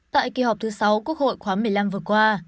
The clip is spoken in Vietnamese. tại kỳ họp thứ sáu quốc hội khóa một mươi năm vừa qua